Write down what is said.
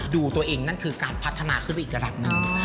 ดูตัวเองนั่นคือการพัฒนาขึ้นไปอีกระดับหนึ่ง